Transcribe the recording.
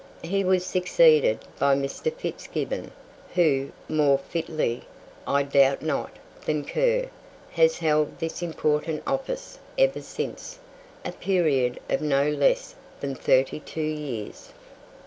He was succeeded by Mr. Fitzgibbon, who, more fitly, I doubt not, than Kerr, has held this important office ever since, a period of no less than thirty two years.